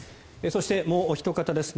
そしてもうおひと方です。